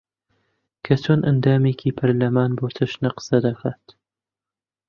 کە چۆن ئەندامێکی پەرلەمان بەو چەشنە قسە دەکات